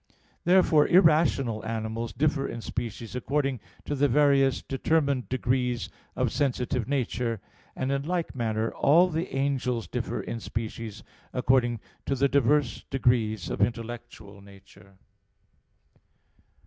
Therefore irrational animals differ in species according to the various determined degrees of sensitive nature; and in like manner all the angels differ in species according to the diverse degrees of intellectual nature.